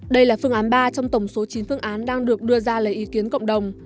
đây là phương án ba trong tổng số chín phương án đang được đưa ra lấy ý kiến cộng đồng